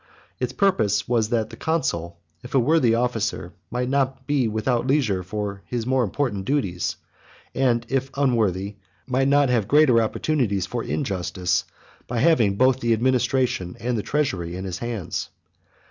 Its purpose was that the consul, if a worthy officer, might not be without leisure for his more important duties, and, if unworthy, might not have greater opportunities for injustice by having both the ad ministration and the treasury in his hands.